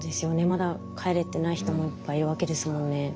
まだ帰れてない人もいっぱいいるわけですもんね。